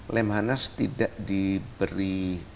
lemhanas tidak diberi